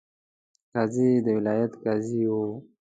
قاضي د ولایت قاضي وو.